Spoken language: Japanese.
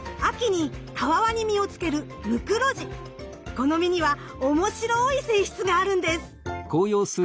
この実には面白い性質があるんです！